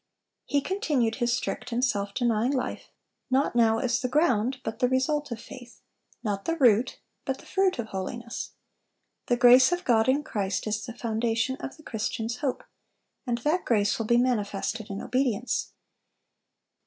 (374) He continued his strict and self denying life, not now as the ground, but the result of faith; not the root, but the fruit of holiness. The grace of God in Christ is the foundation of the Christian's hope, and that grace will be manifested in obedience.